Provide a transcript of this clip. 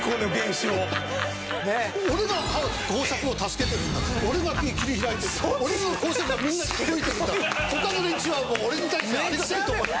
俺が講釈を助けてるんだ俺が切り開いてるんだ俺の講釈がみんなに届いてるんだ他の連中はもう俺に対してはありがたいと思えって。